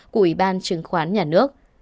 của ủy ban trừng khoán nhà nước